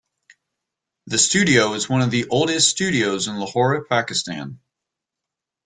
The studio is one of the oldest studios in Lahore, Pakistan.